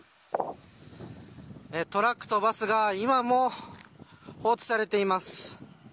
トラックとバスが今も放置されています。